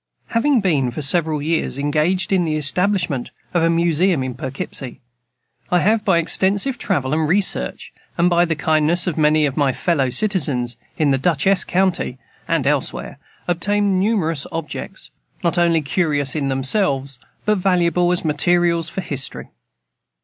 Having been, for several years, engaged in the establishment of a Museum in Poughkeepsie, I have, by extensive travel and research, and by the kindness of many of my fellow citizens in Dutchess county and elsewhere, obtained numerous objects, not only curious in themselves, but valuable as materials for history.